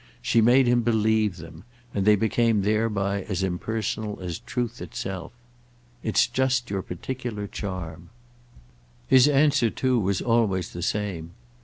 She made him believe them, and they became thereby as impersonal as truth itself. "It's just your particular charm." His answer too was always the same.